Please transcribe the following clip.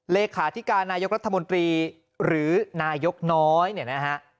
เลขาธิการนายกรัฐมนตรีหรือนายกน้อยเนี่ยนะฮะ